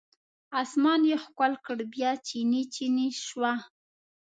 اسمان یې ښکل کړ بیا چینې، چینې شوه